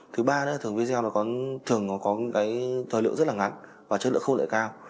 thứ ba là thường video nó có thường có cái thời liệu rất là ngắn và chất lượng không lợi cao